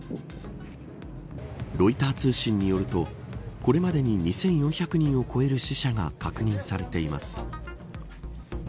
ロイター通信によるとこれまでに２４００人を超える死者が確認されています。